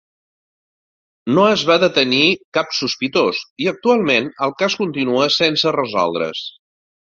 No es va detenir cap sospitós i, actualment, el cas continua sense resoldre's.